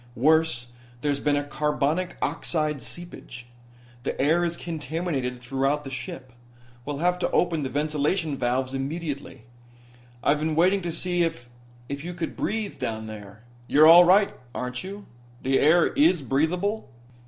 Worse, there's been a carbonic oxide seepage. The air is contaminated throughout the ship. We'll have to open the ventilation valves immediately. I've been waiting to see if if you could breathe down there. You're all right, aren't you? The air is breathable?"